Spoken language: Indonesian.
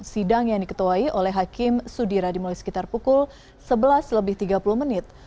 sidang yang diketuai oleh hakim sudira dimulai sekitar pukul sebelas lebih tiga puluh menit